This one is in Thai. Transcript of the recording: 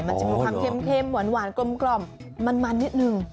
มันจะมีความเข้มหวานกลมมันนิดนึง